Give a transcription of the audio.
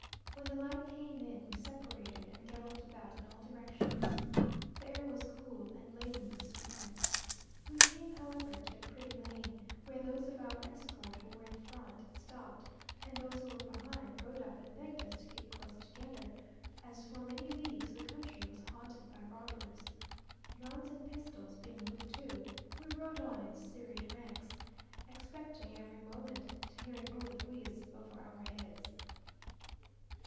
When the light came in we separated and galloped about in all directions. The air was cool and laden with sweetness. We came, however, to a pretty lane, where those of our escort who were in front stopped, and those who were behind rode up and begged us to keep close together, as for many leagues the country was haunted by robbers. Guns and pistols being looked to, we rode on in serried ranks, expecting every moment to hear a bullet whizz over our heads.